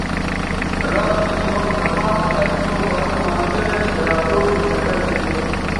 را گیری وختہ مہ آ یک میوں پروں ملگرے شراکوٹ سو چکر دیتھ